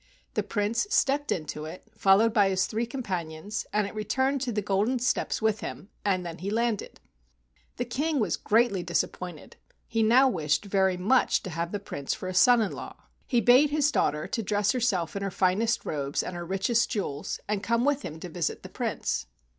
The Prince stepped into it, followed by his three compan¬ ions, and it returned to the golden steps with him, and then he landed. The King was greatly disappointed. He now wished very much to have the Prince for a son in law. He bade his daughter dress herself in her finest robes and her richest jewels and come with him to visit the Prince.